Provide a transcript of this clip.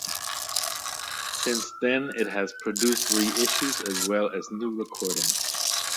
Since then it has produced reissues as well as new recordings.